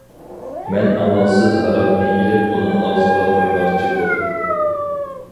مەن ئامالسىز ھاراقنى ئېلىپ ئۇنىڭ ئاغزىغا قۇيماقچى بولدۇم.